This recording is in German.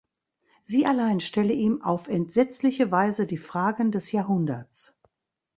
Sie allein stelle ihm „auf entsetzliche Weise“ die Fragen des Jahrhunderts.